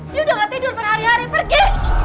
dia udah gak tidur per hari hari pergi